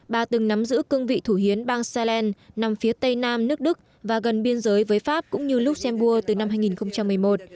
bà từng nắm giữ cương vị thủ hiến bang soland nằm phía tây nam nước đức và gần biên giới với pháp cũng như luxembourg từ năm hai nghìn một mươi một